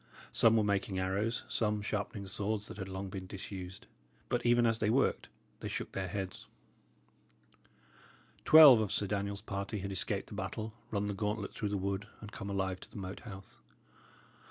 Some were making arrows, some sharpening swords that had long been disused; but even as they worked, they shook their heads. Twelve of Sir Daniel's party had escaped the battle, run the gauntlet through the wood, and come alive to the Moat House.